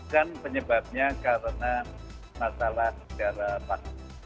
dan penyebabnya karena masalah darah